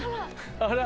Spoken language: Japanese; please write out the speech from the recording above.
あら？